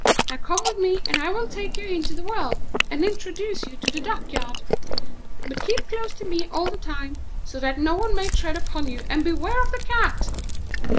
now come with me, I will take you into the world and introduce you in the duck yards. But keep close to me, or someone may tread on you; and beware of the Cat."